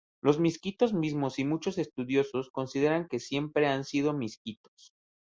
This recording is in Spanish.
Los misquitos mismos y muchos estudiosos consideran que siempre han sido misquitos.